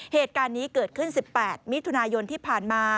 เหตุการณ์นี้เกิดขึ้น๑๘มิถุนายนที่ผ่านมา